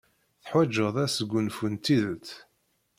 Teḥwajeḍ asgunfu n tidet.